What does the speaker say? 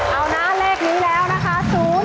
เอานะเลขนี้แล้วนะคะ๐๗๕๒๐